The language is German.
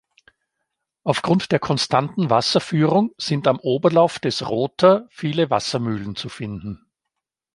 Aufgrund der konstanten Wasserführung sind am Oberlauf des Rother viele Wassermühlen zu finden.